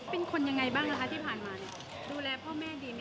เป็นคนยังไงบ้างล่ะคะที่ผ่านมาดูแลพ่อแม่ดีไหม